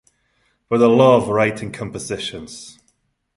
But I love writing compositions.